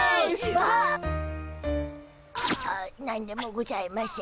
あっ何でもございましぇん。